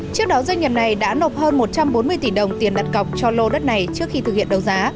trước đó doanh nghiệp này đã nộp hơn một trăm bốn mươi tỷ đồng tiền đặt cọc cho lô đất này trước khi thực hiện đấu giá